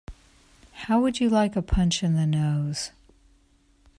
How would you like a punch in the nose?